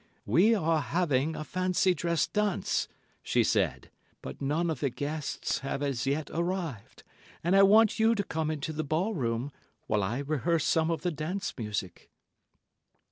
"We are having a fancy dress dance," she said, "but none of the guests have as yet arrived, and I want you to come into the ball room while I rehearse some of the dance music."